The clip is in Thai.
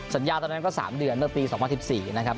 สัญญาตอนนั้นก็๓เดือนเมื่อปี๒๐๑๔นะครับ